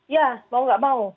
ya mau enggak mau